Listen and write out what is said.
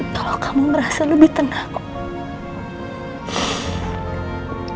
tolong kamu merasa lebih tenang